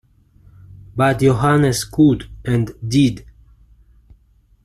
But Johannes could, and did.